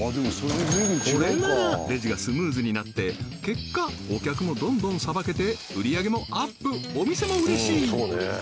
これならレジがスムーズになって結果お客もどんどんさばけて売上げもアップお店も嬉しい！